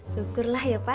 syukurlah ya pa